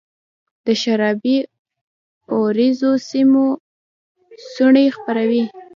د شرابې اوریځو سیوري څوڼي خپروي